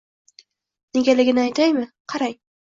Negaligini aytaymi? Qarang.